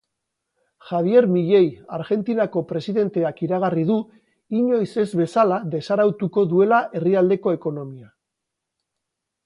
Javier Milei Argentinako presidenteak iragarri du inoiz ez bezala desarautuko duela herrialdeko ekonomia.